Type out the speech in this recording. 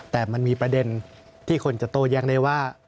แต่มันมีประเด็นที่คนจะโต้แย้งได้ว่า